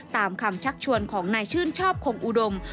ตามคำชักชวนของนายชื่นชอบคงอุดม